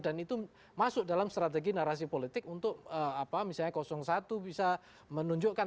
itu masuk dalam strategi narasi politik untuk misalnya satu bisa menunjukkan